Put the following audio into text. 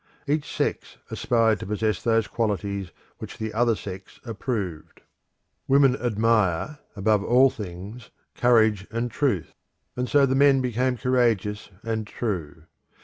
Each sex aspired to possess those qualities which the other sex approved. Women admire, above all things, courage and truth; and so the men became courageous and true.